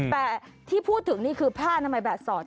แต่ที่พูดถึงนี่คือผ้านามัยแบบสอด